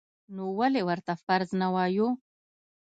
نو ولې ورته فرض نه وایو؟